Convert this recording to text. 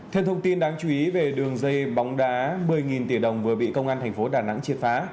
theo thông tin đáng chú ý về đường dây bóng đá một mươi tỷ đồng vừa bị công an thành phố đà nẵng triệt phá